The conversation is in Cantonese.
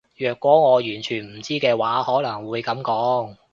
若果我完全唔知嘅話可能會噉講